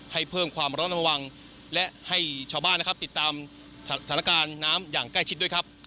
ให้เพิ่มความร้อนระวังและให้ชาวบ้านนะครับติดตามสถานการณ์น้ำอย่างใกล้ชิดด้วยครับ